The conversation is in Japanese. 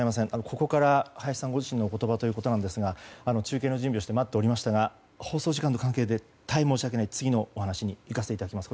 ここから林さんのご自身のお言葉なんですが中継の準備をして待っておりましたが放送時間の関係で大変申し訳ない次の話にいかせてもらいます。